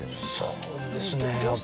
そうですね。